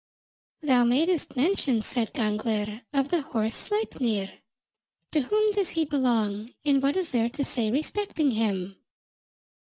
"Thou mad'st mention," said Gangler, "of the horse Sleipnir. To whom does he belong, and what is there to say respecting him?"